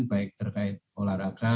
baik terkait olahraga